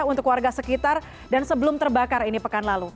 untuk warga sekitar dan sebelum terbakar ini pekan lalu